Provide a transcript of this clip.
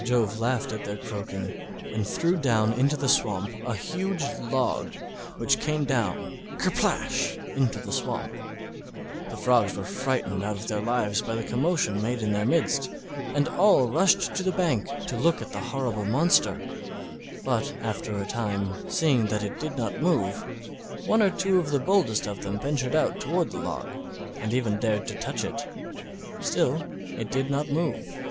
Jove laughed at their croaking, and threw down into the swamp a huge Log, which came down—kerplash—into the swamp. The Frogs were frightened out of their lives by the commotion made in their midst, and all rushed to the bank to look at the horrible monster; but after a time, seeing that it did not move, one or two of the boldest of them ventured out toward the Log, and even dared to touch it; still it did not move.